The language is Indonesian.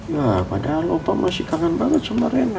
ya padahal opa masih kangen banget sama rena